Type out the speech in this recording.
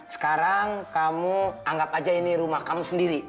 sekarang kamu anggap aja ini rumah kamu sendiri